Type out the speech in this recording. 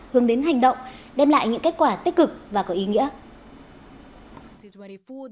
hướng đến hành động đem lại những kết quả tích cực và có ý nghĩa